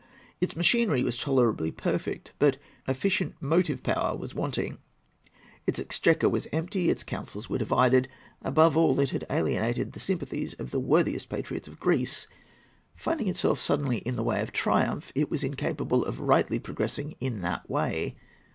Its machinery was tolerably perfect, but efficient motive power was wanting. Its exchequer was empty; its counsels were divided; above all, it had alienated the sympathies of the worthiest patriots of Greece. Finding itself suddenly in the way of triumph, it was incapable of rightly progressing in that way.